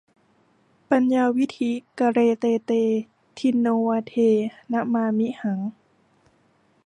ปัญญาวิฒิ กเร เต เต ทินโนวาเท นมา มิหัง